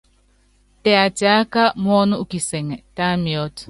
Tɛ atiáka muɔ́nu u kisɛŋɛ, tá miɔ́t.